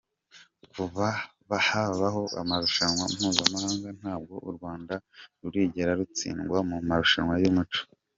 kuva habaho amarushanwa mpuzamahanga ntabwo u Rwanda rurigera rutsindwa mu marushanwa y’umuco.